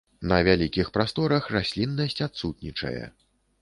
На вялікіх прасторах расліннасць адсутнічае.